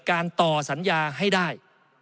การต่อสัญญาให้ได้